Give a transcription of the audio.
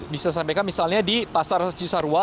bisa sampaikan misalnya di pasar cisarua